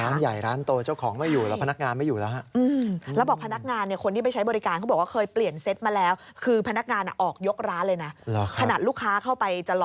ร้านใหญ่ร้านโตเจ้าของไม่อยู่แล้วพนักงานไม่อยู่แล้วฮะ